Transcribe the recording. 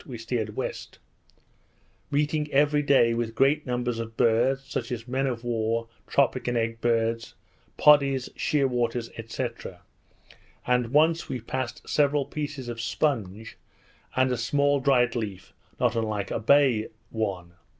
we steered west; meeting every day with great numbers of birds, such as men of war, tropic, and egg birds, podies, sheer waters, &c. and once we passed several pieces of sponge, and a small dried leaf not unlike a bay one.